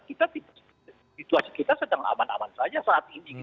kita situasi kita sedang aman aman saja saat ini